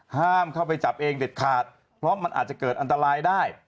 ห้ามเข้าไปจับเองเด็ดขาดเพราะมันอาจจะเกิดอันตรายได้